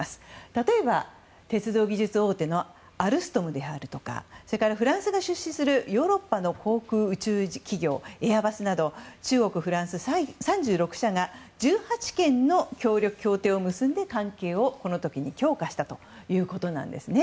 例えば、鉄道技術大手のアルストムであるとかフランスが出資するヨーロッパの航空宇宙企業のエアバスなど中国、フランス３６社が１８件の協力協定を結んで関係を強化したということなんです。